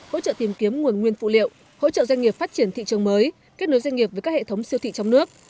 hỗ trợ tìm kiếm nguồn nguyên phụ liệu hỗ trợ doanh nghiệp phát triển thị trường mới kết nối doanh nghiệp với các hệ thống siêu thị trong nước